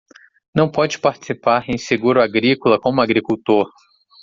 Não pode participar em seguro agrícola como agricultor